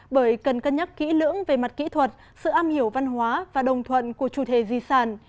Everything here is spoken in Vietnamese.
bởi cần cân nhắc kỹ lưỡng về mặt kỹ thuật sự am hiểu văn hóa và đồng thuận của chủ thể di sản